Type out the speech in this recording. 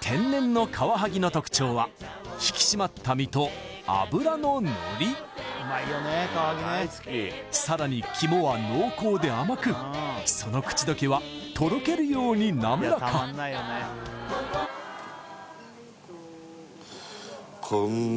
天然のカワハギの特徴は引き締まった身と脂ののりさらに肝は濃厚で甘くその口溶けはとろけるように滑らかこんな